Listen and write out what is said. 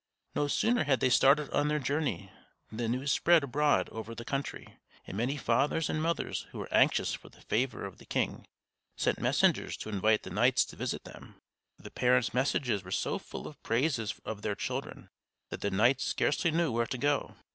No sooner had they started on their journey than the news spread abroad over the country, and many fathers and mothers who were anxious for the favor of the king sent messengers to invite the knights to visit them. The parents' messages were so full of praises of their children that the knights scarcely knew where to go.